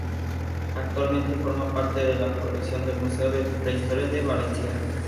Actualmente forma parte de la colección del Museo de Prehistoria de Valencia.